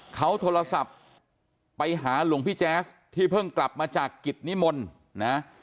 เขาโทรศัพท์ไปหาหลวงพี่แจ๊สที่เพิ่งกลับมาจากกิจนิมนต์นะ